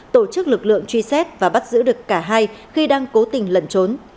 tổ chức lực lượng truy xét và bắt giữ được cả hai khi đang cố tình lẩn trốn